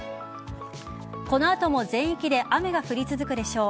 この後も全域で雨が降り続くでしょう。